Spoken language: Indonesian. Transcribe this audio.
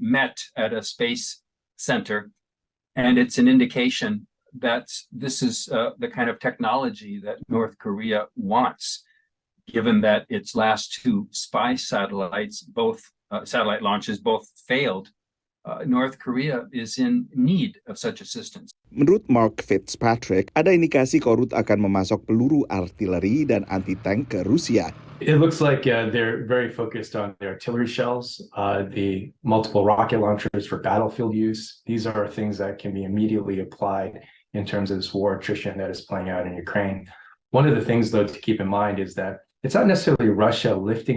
menurut mark fitzpatrick ada indikasi korut akan memasok peluru artileri dan anti tank ke rusia